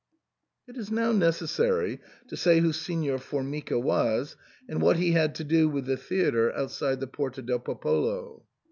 It is now necessary to say who Signor Formica was, and what he had to do with the theatre outside the Porta del Popolo.